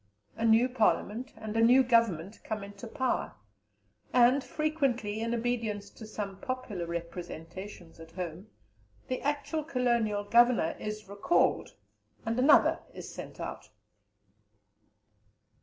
A new Parliament and a new Government come into power, and, frequently in obedience to some popular representations at home, the actual Colonial Governor is recalled, and another is sent out.